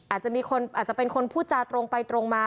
อาจจะเป็นคนพูดจาตรงไปตรงมา